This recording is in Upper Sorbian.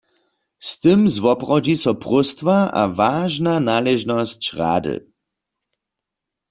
Z tym zwoprawdźi so próstwa a wažna naležnosć rady.